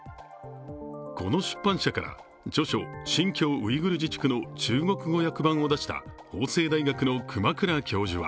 この出版社から著書「新疆ウイグル自治区」の中国語訳版を出した法政大学の熊倉教授は